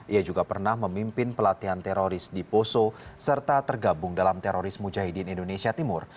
ia juga pernah memimpin pelatihan teroris di poso serta tergabung dalam teroris mujahidin indonesia timur